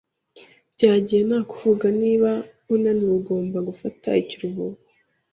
Byagiye nta kuvuga, niba unaniwe, ugomba gufata ikiruhuko.